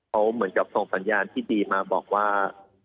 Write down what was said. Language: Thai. เขาเหมือนกับส่งสัญญาณที่ดีมาบอกว่า